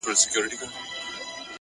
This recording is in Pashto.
هڅه د هیلو وزرونه دي.!